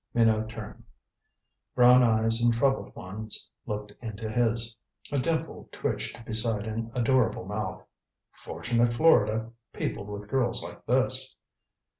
Minot turned. Brown eyes and troubled ones looked into his. A dimple twitched beside an adorable mouth. Fortunate Florida, peopled with girls like this.